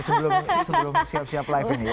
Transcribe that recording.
sebelum siap siap live ini ya